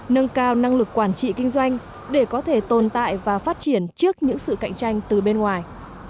nâng cao năng lực quản trị kinh doanh để có thể tồn tại và phát triển trước những sự cạnh tranh từ bên ngoài